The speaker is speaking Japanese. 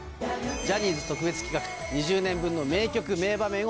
ジャニーズ特別企画２０年分の名曲名場面をお届け。